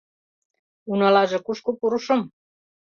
Уналаже кушко пурышым?